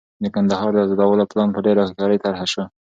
د کندهار د ازادولو پلان په ډېره هوښیارۍ طرح شو.